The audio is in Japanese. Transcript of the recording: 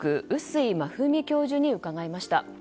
碓井真史教授に伺いました。